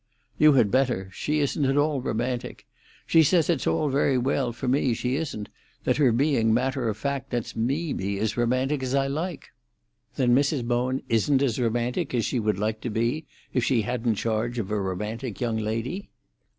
"You had better. She isn't at all romantic. She says it's very well for me she isn't—that her being matter of fact lets me be as romantic as I like." "Then Mrs. Bowen isn't as romantic as she would like to be if she hadn't charge of a romantic young lady?"